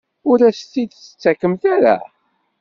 Ur as-t-id-tettakemt ara?